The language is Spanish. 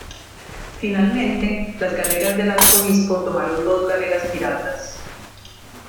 Finalmente, las galeras del arzobispo tomaron dos galeras piratas.